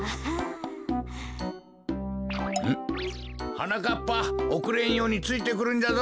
はなかっぱおくれんようについてくるんじゃぞ。